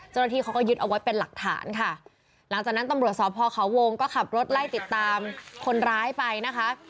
เจ้าหน้าที่เขาก็ยึดเอาไว้เป็นหลักฐานค่ะหลังจากนั้นตำรวจสอบพ่อเขาวงก็ขับรถไล่ติดตามคนร้ายไปนะคะ